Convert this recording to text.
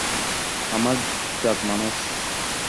আমার জাত মানুষ।